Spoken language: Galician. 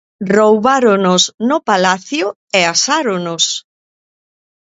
Roubáronos no palacio e asáronos.